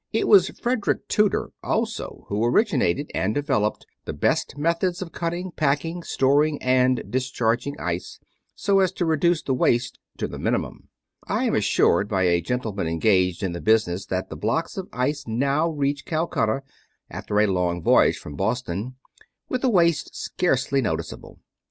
It was Frederick Tudor also who originated and developed the best methods of cutting, packing, storing, and discharging ice, so as to reduce the waste to the minimum. I am assured by a gentleman engaged in the business that the blocks of ice now reach Calcutta, after the long voyage from Boston, with a waste scarcely noticeable.